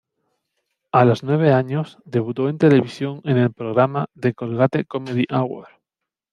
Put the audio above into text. A los nueve años debutó en televisión en el programa "The Colgate Comedy Hour".